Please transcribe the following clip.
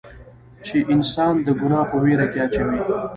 چې انسان د ګناه پۀ وېره کښې اچوي